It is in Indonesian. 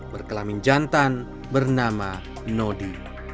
berkelamin jantan bernama nody